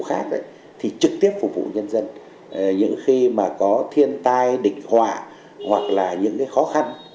khác thì trực tiếp phục vụ nhân dân những khi mà có thiên tai địch họa hoặc là những cái khó khăn